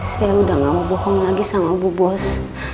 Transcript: saya sudah gak mau bohong lagi sama ibu bos